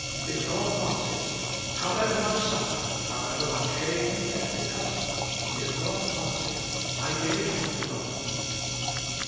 If God wants it, however much suffering , however much shame and death, it costs me, if God wants it, I g ive it up to God."